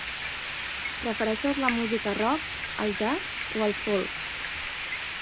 Prefereixes la música rock, el jazz o el folk?